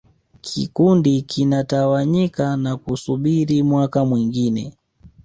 Kikundi kinatawanyika na kusubiri mwaka mwingine